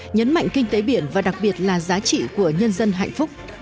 nhấn mạnh kinh tế biển và đặc biệt là giá trị của nhân dân hạnh phúc